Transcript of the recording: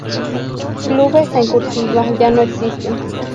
Clubes en "cursiva" ya no existen.